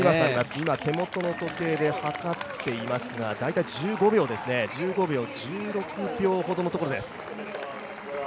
今、手元の時計で計ってますが大体、１５秒、１６秒ほどのところです。